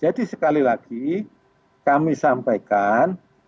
jadi sekali lagi kami sampaikan